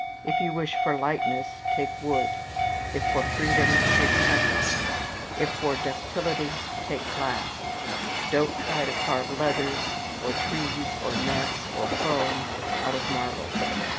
If you wish for lightness, take wood; if for freedom, take stucco; if for ductility, take glass. Don't try to carve leathers, or trees, or nets, or foam, out of marble.